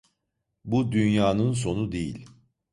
Bu dünyanın sonu değil.